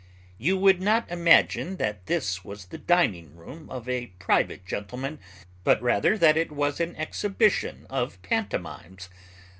You would not imagine that this was the dining room of a private gentleman, but rather that it was an exhibition of pantomimes.